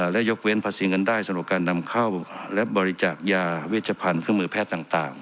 และยกเว้นภาษีเงินได้สำหรับการนำเข้าและบริจักษ์ยาวิทยาพันธุ์ฯขึ้นมือแพทย์ต่าง